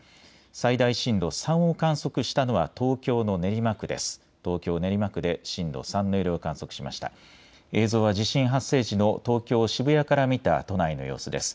最大震度３を観測したのは東京の練馬区です。